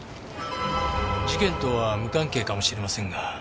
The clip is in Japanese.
事件とは無関係かもしれませんが。